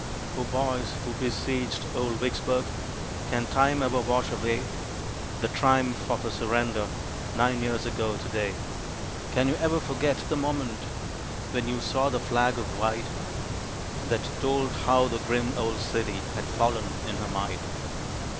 O boys who besieged old Vicksburg, Can time e'er wash away The triumph of her surrender, Nine years ago to day? Can you ever forget the moment, When you saw the flag of white, That told how the grim old city Had fallen in her might?